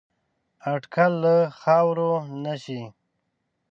اټکل له خاورو نه شي